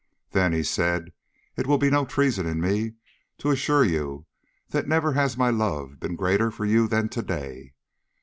"Then," said he, "it will be no treason in me to assure you that never has my love been greater for you than to day.